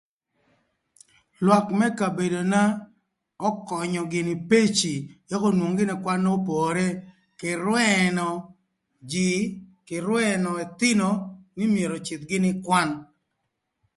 Lwak më kabedona ökönyö gïnï peci ëk onwong gïnï kwan n'opore kï rwëö jïï, kï rwëö ëthïnö nï myero öcïdh gïnï ï kwan